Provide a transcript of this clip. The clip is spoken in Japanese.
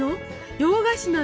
洋菓子なの？